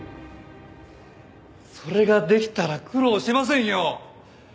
それができたら苦労しませんよ！